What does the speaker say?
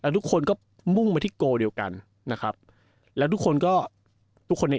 ทุกคนก็มุ่งมาที่โกเดียวกันนะครับแล้วทุกคนก็ทุกคนใน